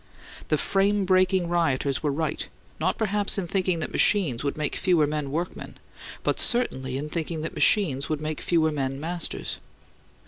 The Frame Breaking Rioters were right; not perhaps in thinking that machines would make fewer men workmen; but certainly in thinking that machines would make fewer men masters.